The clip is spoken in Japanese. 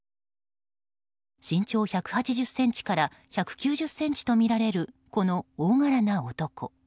身長１８０ｃｍから１９０ｃｍとみられるこの大柄な男。